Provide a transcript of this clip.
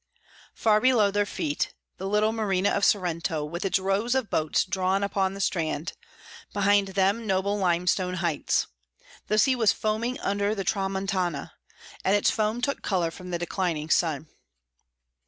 Far below their feet the little marina of Sorrento, with its row of boats drawn up on the strand; behind them noble limestone heights. The sea was foaming under the tramontana, and its foam took colour from the declining sun.